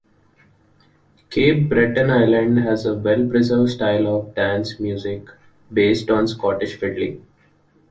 Cape Breton Island has a well-preserved style of dance music, based on Scottish fiddling.